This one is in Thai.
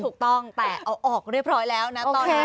ถูกต้องแต่เอาออกเรียบร้อยแล้วนะตอนนี้